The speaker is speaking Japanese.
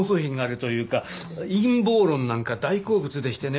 陰謀論なんか大好物でしてね